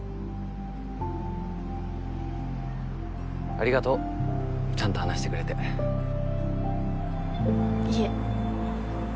ありがとうちゃんと話してくれていえ